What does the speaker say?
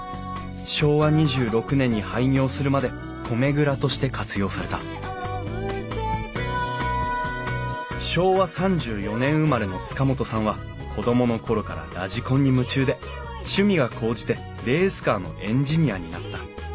昭和２６年に廃業するまで米蔵として活用された昭和３４年生まれの塚本さんは子供の頃からラジコンに夢中で趣味が高じてレースカーのエンジニアになった。